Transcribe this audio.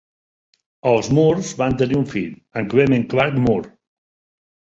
Els Moores van tenir un fill, en Clement Clarke Moore.